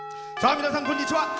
皆さん、こんにちは。